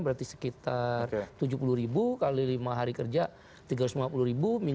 berarti sekitar rp tujuh puluh kali lima hari kerja rp tiga ratus lima puluh